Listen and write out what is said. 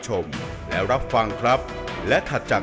เหมือนเล็บแต่ของห้องเหมือนเล็บตลอดเวลา